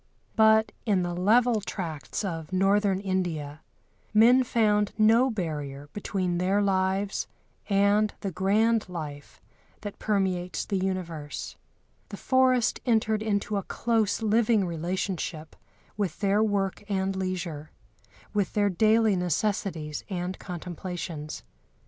But in the level tracts of Northern India men found no barrier between their lives and the grand life that permeates the universe. The forest entered into a close living relationship with their work and leisure, with their daily necessities and contemplations.